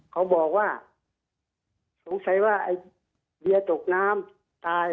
เขาบอกว่าสงสัยว่าไอ้เบียตกน้ำตาย